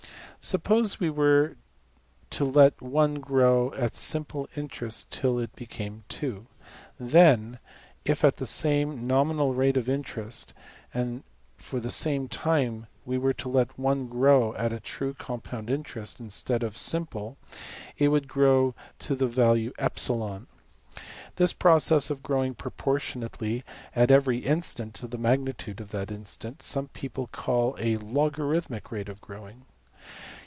Suppose we were to let $1$ grow at simple interest till it became~$2$; then, if at the same nominal rate of interest, and for the same time, we were to let $1$ grow at true compound interest, instead of simple, it would grow to the value \emph{epsilon}. This process of growing proportionately, at every instant, to the magnitude at that instant, some people \DPPageSep{152.png}% call \emph{a logarithmic rate} of growing.